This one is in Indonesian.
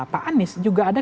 pak anis juga ada